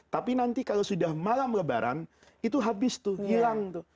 tapi nanti kalau sudah malam lebaran itu habis tuh hilang tuh